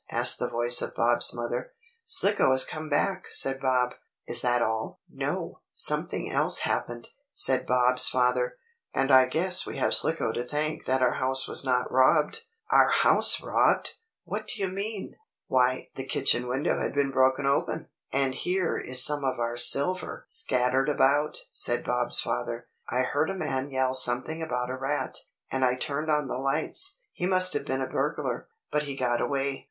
asked the voice of Bob's mother. "Slicko has come back," said Bob. "Is that all?" "No, something else happened," said Bob's father, "and I guess we have Slicko to thank that our house was not robbed." "Our house robbed! What do you mean?" "Why the kitchen window has been broken open, and here is some of our silver scattered about," said Bob's father. "I heard a man yell something about a rat, and I turned on the lights. He must have been a burglar, but he got away."